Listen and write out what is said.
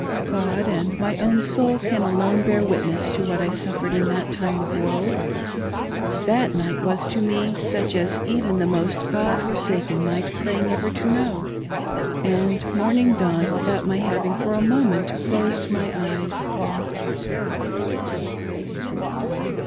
God and my own soul can alone bear witness to what I suffered in that time of woe. That night was to me such as even the most God forsaken might pray never to know ; and morning dawned without my having for a moment closed my eyes.